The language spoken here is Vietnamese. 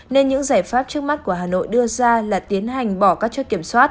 nên những giải pháp trước mắt của hà nội đưa ra là tiến hành bỏ các chốt kiểm soát